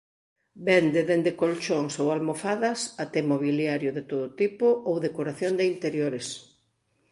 Vende dende colchóns ou almofadas até mobiliario de todo tipo ou decoración de interiores.